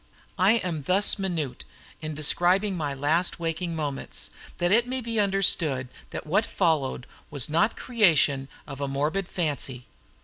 I am thus minute in describing my last waking moments, that it may be understood that what followed was not creation of a morbid fancy.